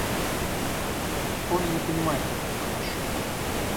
Он и не понимает, как это хорошо.